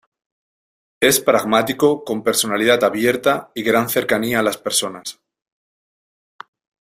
Es pragmático con personalidad abierta y gran cercanía a las personas.